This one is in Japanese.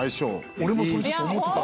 俺もそれずっと思ってた。